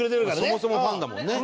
そもそもファンだもんね。